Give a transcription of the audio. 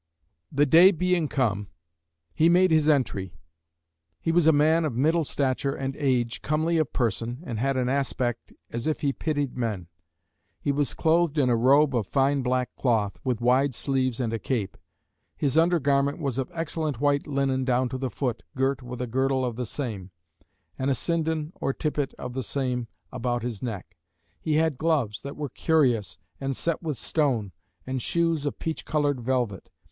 The day being come, he made his entry. He was a man of middle stature and age, comely of person, and had an aspect as if he pitied men. He was clothed in a robe of fine black cloth, with wide sleeves and a cape. His under garment was of excellent white linen down to the foot, girt with a girdle of the same; and a sindon or tippet of the same about his neck. He had gloves, that were curious,'' and set with stone; and shoes of peach coloured velvet.